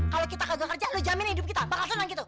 kalau kita kagak kerja lo jamin hidup kita bakal tenang gitu